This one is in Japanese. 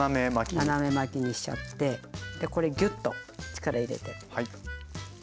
斜め巻きにしちゃってこれギュッと力入れてします。